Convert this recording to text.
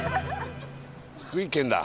福井県だ